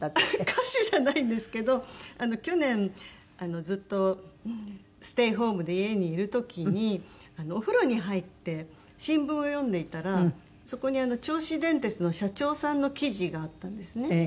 歌手じゃないんですけど去年ずっとステイホームで家にいる時にお風呂に入って新聞を読んでいたらそこに銚子電鉄の社長さんの記事があったんですね。